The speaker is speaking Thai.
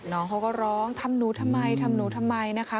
น้องเขาก็ร้องทำหนูทำไมทำหนูทำไมนะคะ